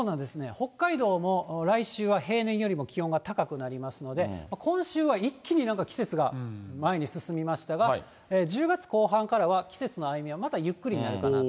北海道も来週は平年よりも気温が高くなりますので、今週は一気になんか季節が前に進みましたが、１０月後半からは季節の歩みはまだゆっくりかなと。